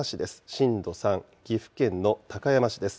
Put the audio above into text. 震度３、岐阜県の高山市です。